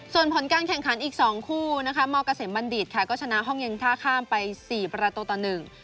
ส่วนผลการแข่งขันอีก๒คู่นะคะมกบัณฑิตค่ะก็ชนะห้องเย็งท่าข้ามไป๔ประตูต่อ๑